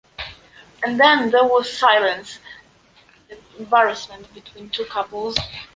And then there was silence, embarrassment between the two couples.